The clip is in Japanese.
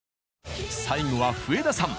最後は笛田さん。